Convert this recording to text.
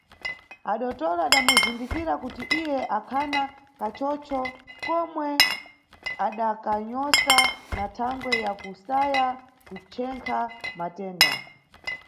Adotolo adamuzindikira kuti iye akhana kachocho komwe adakanyosa na thangwe ya kusaya kuchekha matenda.